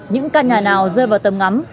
những căn nhà nào rơi vào tầm ngắm